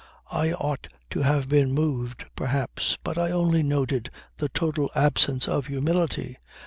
I ought to have been moved perhaps; but I only noted the total absence of humility